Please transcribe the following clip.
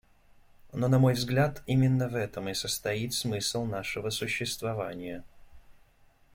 Но, на мой взгляд, именно в этом и состоит смысл нашего существования.